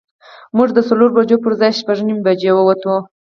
موږ د څلورو بجو پر ځای شپږ نیمې بجې ووتو.